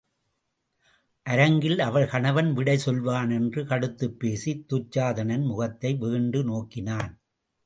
அரங்கில் அவள் கணவன் விடை சொல்வான் என்று கடுத்துப்பேசிச் துச்சாதனன் முகத்தை வெகுண்டு நோக்கினான்.